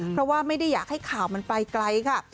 เพราะว่าไม่ได้อยากให้ข่าวมันไปไกลค่ะ